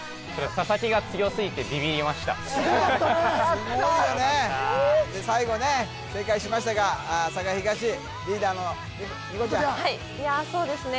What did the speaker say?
佐々木が強すぎてビビりましたすごかったねで最後ね正解しましたが栄東リーダーの虹来ちゃんいやそうですね